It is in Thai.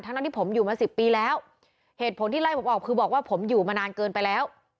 ทั้งนั้นที่ผมอยู่มาสิบปีแล้วเหตุผลที่ไล่ผมออกคือบอกว่าผมอยู่มานานเกินไปแล้ว